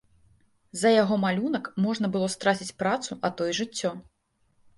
За яго малюнак можна было страціць працу, а то і жыццё.